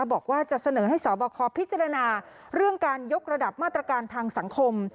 บอกว่าจะเสนอให้สอบคอพิจารณาเรื่องการยกระดับมาตรการทางสังคม